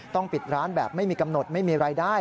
ปิดร้านแบบไม่มีกำหนดไม่มีรายได้